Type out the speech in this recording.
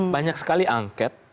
banyak sekali angket